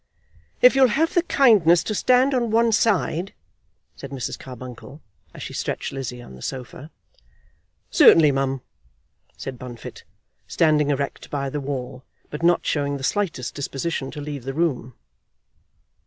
"If you'll have the kindness to stand on one side," said Mrs. Carbuncle, as she stretched Lizzie on the sofa. "Certainly, mum," said Bunfit, standing erect by the wall, but not showing the slightest disposition to leave the room.